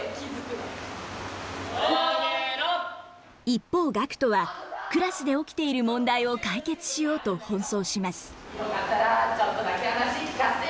一方ガクトはクラスで起きている問題を解決しようと奔走します。